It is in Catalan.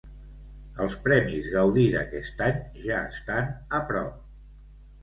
Els Premis Gaudí d'aquest any ja estan a prop.